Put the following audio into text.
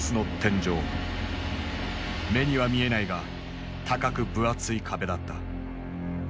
目には見えないが高く分厚い壁だった。